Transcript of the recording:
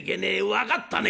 分かったね」。